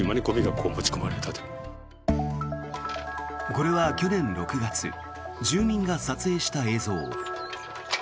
これは去年６月住民が撮影した映像。